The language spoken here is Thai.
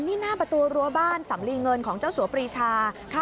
นี่หน้าประตูรั้วบ้านสำลีเงินของเจ้าสัวปรีชา